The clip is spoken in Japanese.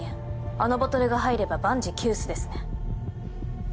あのボトルが入れば万事休すですね